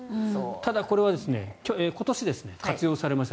ただこれは今年活用されました。